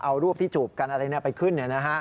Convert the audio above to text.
เอารูปที่จูบกันอะไรไปขึ้น